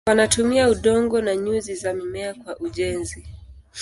Wanatumia udongo na nyuzi za mimea kwa ujenzi.